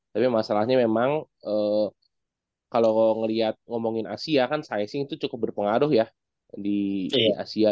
tapi masalahnya memang kalau melihat ngomongin asia kan sizing itu cukup berpengaruh ya di asia